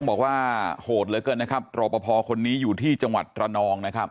บอกว่าโหดเหลือเกินนะครับรอปภคนนี้อยู่ที่จังหวัดระนองนะครับ